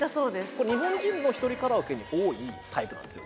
これ日本人の１人カラオケに多いタイプなんですよ